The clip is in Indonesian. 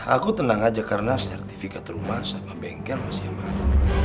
aku tenang aja karena sertifikat rumah sama bengkel masih hebat